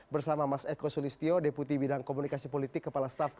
bersama mas eko sulistio deputi bidang komunikasi politik